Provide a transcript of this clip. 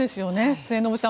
末延さん